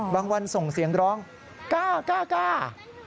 บางวันส่งเสียงร้องก้า